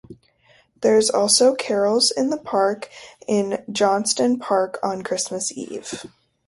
There is also Carols in the Park in Johnston Park on Christmas Eve.